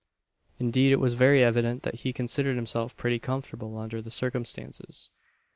Indeed it was very evident that he considered himself pretty comfortable under the circumstances.